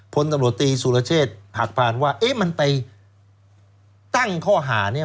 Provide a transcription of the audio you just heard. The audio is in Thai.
พลตำรวจตีสุรเชษฐ์หักผ่านว่าเอ๊ะมันไปตั้งข้อหาเนี่ย